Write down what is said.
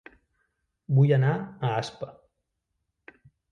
Vull anar a Aspa